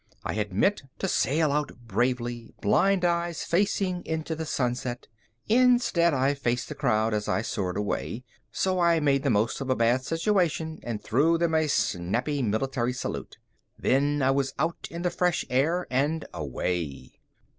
I had meant to sail out bravely, blind eyes facing into the sunset; instead, I faced the crowd as I soared away, so I made the most of a bad situation and threw them a snappy military salute. Then I was out in the fresh air and away.